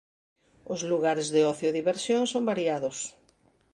Os lugares de ocio e diversión son variados.